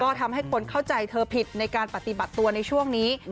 ก็ทำให้คนเข้าใจเธอผิดในการปฏิบัติตัวในช่วงนี้